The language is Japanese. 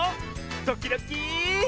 ドキドキ。